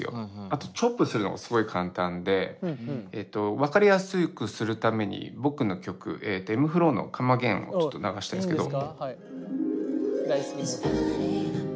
あとチョップするのがすごい簡単で分かりやすくするために僕の曲ｍ−ｆｌｏの「ｃｏｍｅａｇａｉｎ」をちょっと流したいんですけど。